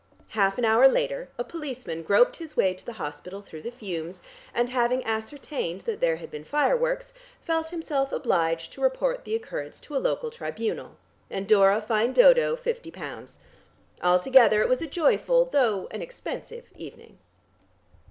Half an hour later, a policeman groped his way up to the hospital through the fumes, and having ascertained that there had been fireworks, felt himself obliged to report the occurrence to a local tribunal, and Dora fined Dodo fifty pounds. Altogether it was a joyful though an expensive evening.